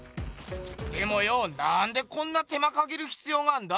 でもよなんでこんな手間かけるひつようがあんだ？